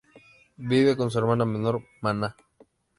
Vive con su hermana menor Mana.